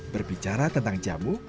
berbicara tentang jamu